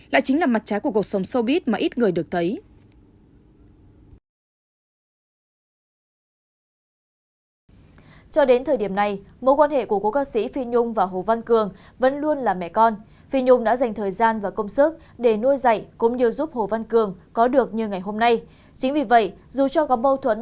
lại chính là mặt trái của cuộc sống sâu bít mà ít người được thấy